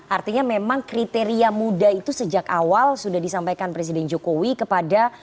artinya memang kriteria muda itu sejak awal sudah disampaikan presiden jokowi kepada